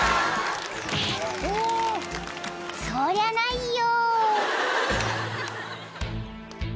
［そりゃないよ］